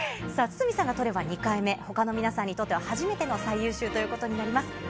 堤さんが取れば２回目、ほかの皆さんにとっては、初めての最優秀ということになります。